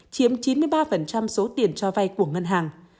chiếm chín mươi ba số tiền cho vay của ngân hàng